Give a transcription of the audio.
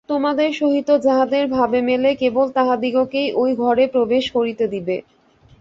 তোমাদের সহিত যাহাদের ভাবে মেলে, কেবল তাহাদিগকেই ঐ ঘরে প্রবেশ করিতে দিবে।